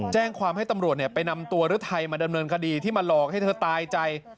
แจ้งความให้ตำรวจไปนำตัวฤทัยมาดำเนินคดีที่มาหลอกให้เธอตายใจ